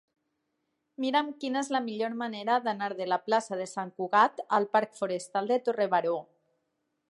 Mira'm quina és la millor manera d'anar de la plaça de Sant Cugat al parc Forestal de Torre Baró.